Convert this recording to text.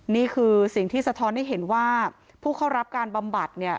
นี่คือสิ่งที่สะท้อนให้เห็นว่าผู้เข้ารับการบำบัดเนี่ย